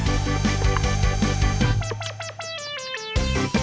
ยังไม่ชอบชู